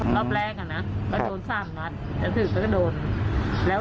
รอบแรกก็โดน๓นัดแล้วถึงเป็นโดนตัว